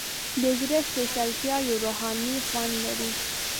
د زړه سپیڅلتیا یو روحاني خوند لري.